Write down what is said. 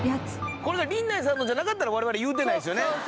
これがリンナイさんのじゃなかったら我々言うてないですよね。